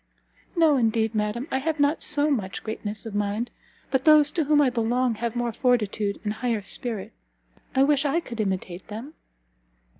"No, indeed, madam! I have not so much greatness of mind. But those to whom I belong have more fortitude and higher spirit. I wish I could imitate them!"